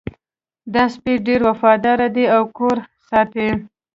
دا سپی ډېر وفادار ده او کور ساتي